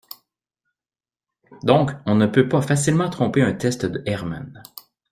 Donc on ne peut pas facilement tromper un test de Herman